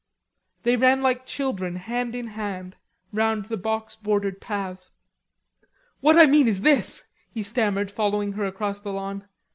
They ran like children, hand in hand, round the box bordered paths. "What I mean is this," he stammered, following her across the lawn.